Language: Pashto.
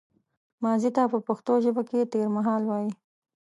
ماضي ته په پښتو ژبه کې تېرمهال وايي